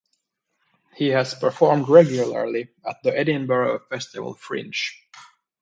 He has performed regularly at the Edinburgh Festival Fringe.